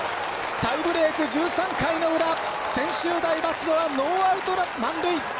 タイブレーク、１３回の裏専修大松戸がノーアウト、満塁！